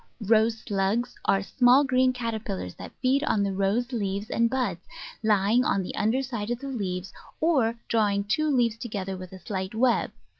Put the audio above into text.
Rose Slugs are small green caterpillars that feed on the Rose leaves and buds, lying on the under side of the leaves, or drawing two leaves together with a slight web.